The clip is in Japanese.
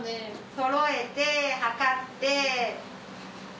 そろえて量って。